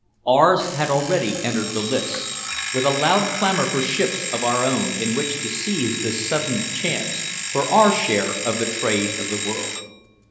Ours had already entered the lists, with a loud clamor for ships of our own in which to seize this sudden chance for our share of the trade of the world.